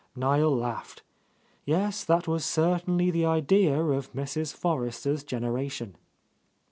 Niel laughed. Yes, that was certainly the idea of Mrs. Forrester's generation.